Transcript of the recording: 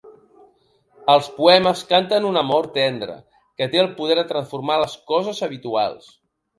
Els poemes canten un amor tendre, que té el poder de transformar les coses habituals.